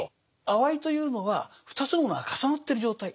「あわい」というのは２つのものが重なってる状態。